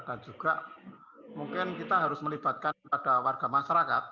dan juga mungkin kita harus melibatkan pada warga masyarakat